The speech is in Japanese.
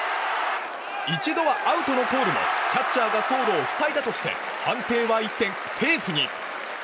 一度はアウトのコールもキャッチャーが走路を塞いだとして判定は一転、セーフに。